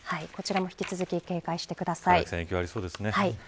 こちらも引き続き警戒してください。